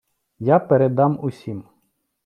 Я передам усім.